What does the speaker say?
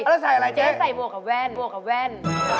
แล้วใส่อะไรเจ๊ใส่บวกกับแว่นบวกกับแว่น